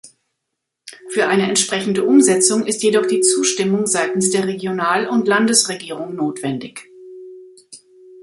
Für eine entsprechende Umsetzung ist jedoch die Zustimmung seitens der Regional- und Landesregierung notwendig.